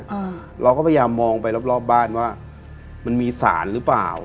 อ่าเราก็พยายามมองไปรอบรอบบ้านว่ามันมีสารหรือเปล่า